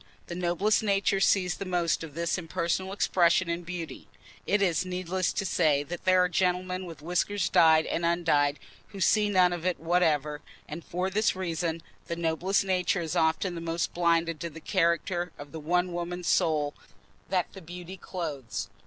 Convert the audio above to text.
The noblest nature sees the most of this impersonal expression in beauty (it is needless to say that there are gentlemen with whiskers dyed and undyed who see none of it whatever), and for this reason, the noblest nature is often the most blinded to the character of the one woman's soul that the beauty clothes.